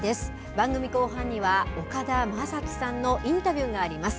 番組後半には岡田将生さんのインタビューがあります。